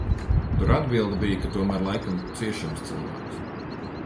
Tur atbilde bija, ka tomēr laikam ciešams cilvēks.